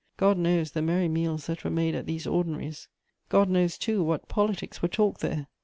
God knows the merry meals that were made at these ordinaries! God knows, too, what politics were talked there!